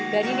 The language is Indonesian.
dan ini ada